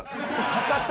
博多。